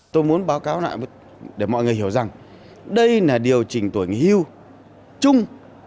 tôi muốn báo cáo lại để mọi người hiểu rằng đây là điều chỉnh tuổi nghỉ hưu chung